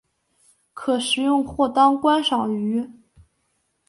可食用或当观赏鱼。